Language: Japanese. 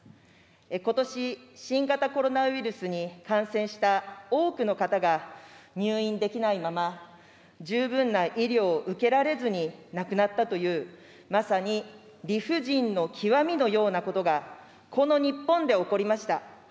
ことし、新型コロナウイルスに感染した多くの方が、入院できないまま、十分な医療を受けられずに亡くなったという、まさに理不尽の極みのようなことが、この日本で起こりました。